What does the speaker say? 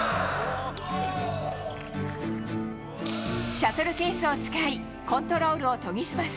シャトルケースを使いコントロールを研ぎ澄ます。